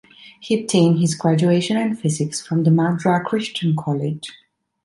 He obtained his graduation in Physics from the Madras Christian College.